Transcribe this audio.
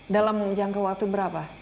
dalam jangka waktu berapa